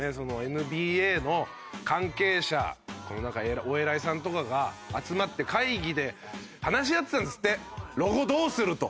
ＮＢＡの関係者なんかお偉いさんとかが集まって会議で話し合ってたんですって「ロゴどうする？」と。